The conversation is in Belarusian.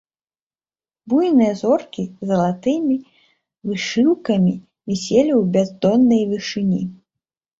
Буйныя зоркі залатымі вышыўкамі віселі ў бяздоннай вышыні.